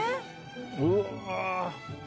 うわ！